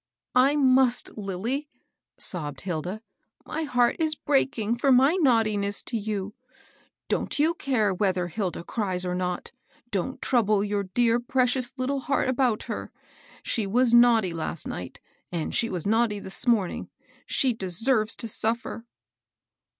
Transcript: " I must, Lilly," sobbed Hilda. " My heart is breaking for my naughtiness to you. Don't you care whether Hilda cries or not. Don't trouble your dear, precious little heart about her. She was naughty last night, — she was naughty this morning. She deserves to suffer."